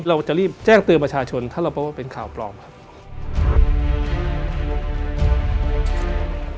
เราจะรีบแจ้งเตือนประชาชนถ้าเราพบว่าเป็นข่าวปลอมครับ